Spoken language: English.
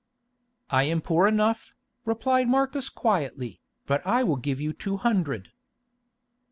"I am poor enough," replied Marcus quietly, "but I will give you two hundred."